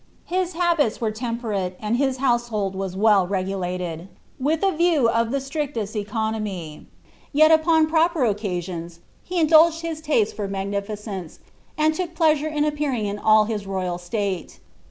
His habits were tempv niie, and hia household was well regulated, with a view to the striclesi economy; yet npon proper occasions he indulged his taste for magnifi cence, and took pleasure in appearing in all his royal ajate.